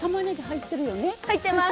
入ってます！